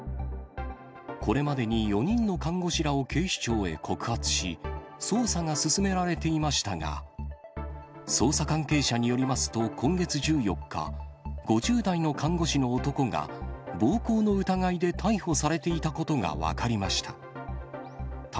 これまでに４人の看護師らを警視庁へ告発し、捜査が進められていましたが、捜査関係者によりますと、今月１４日、５０代の看護師の男が暴行の疑いで逮捕されていたことが分かりました。